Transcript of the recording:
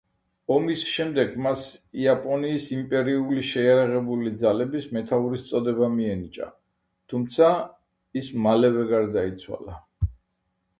ომის შემდეგ მას იაპონიის იმპერიული შეიარაღებული ძალების მეთაურის წოდება მიენიჭა, თუმცა, ის მალევე გარდაიცვალა.